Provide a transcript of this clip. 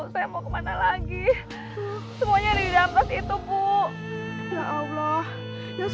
terima kasih pak ya